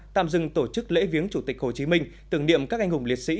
tạm dừng tổ chức lễ viếng chủ tịch hồ chí minh tưởng niệm các anh hùng liệt sĩ